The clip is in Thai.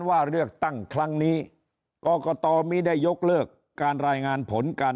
ว่าเลือกตั้งครั้งนี้กรกตไม่ได้ยกเลิกการรายงานผลการ